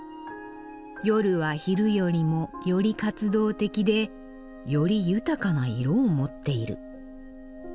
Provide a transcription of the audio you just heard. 「夜は昼よりもより活動的でより豊かな色を持っている」。